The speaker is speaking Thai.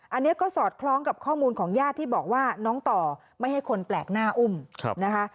อันนี้ก็สอดคล้องกับข้อมูลของญาติที่บอกว่าน้องต่อไม่ให้คนแปลกหน้าอุ้มนะคะ